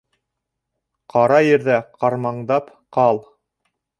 Ҡара ерҙә ҡармаңдап ҡал: